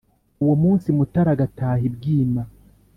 uwo munsi mutára agataha i bwíma